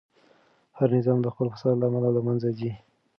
هر نظام د خپل فساد له امله له منځه ځي.